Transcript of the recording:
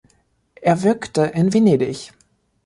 Er wirkte in Venedig.